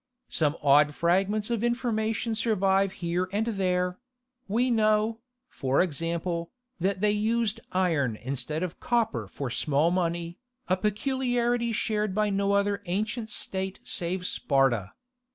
Some odd fragments of information survive here and there: we know, for example, that they used iron instead of copper for small money, a peculiarity shared by no other ancient state save Sparta.